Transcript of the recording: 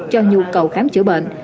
cho nhu cầu khám chữa bệnh